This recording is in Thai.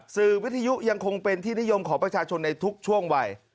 วิทยุยังคงเป็นที่นิยมของประชาชนในทุกช่วงวัย